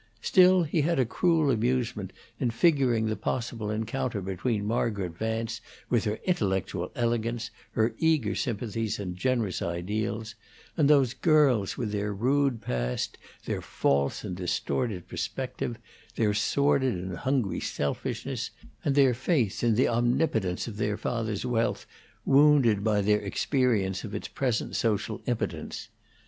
Still, he had a cruel amusement in figuring the possible encounter between Margaret Vance, with her intellectual elegance, her eager sympathies and generous ideals, and those girls with their rude past, their false and distorted perspective, their sordid and hungry selfishness, and their faith in the omnipotence of their father's wealth wounded by their experience of its present social impotence.